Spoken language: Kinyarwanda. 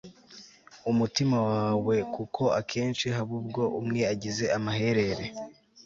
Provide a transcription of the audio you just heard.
umutima wawe kuko akenshi habubwo umwe agize amaherere